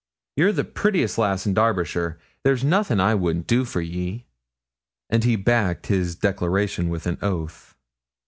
You're the prettiest lass in Derbyshire; there's nothin' I wouldn't do for ye.' And he backed his declaration with an oath.